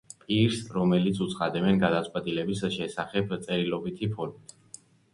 პირს, რომელიც უცხადებენ გადაწყვეტილების შესახებ წერილობითი ფორმით.